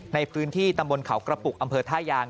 ในพื้นที่ตำบลเขากระปุกอำเภอท่ายาง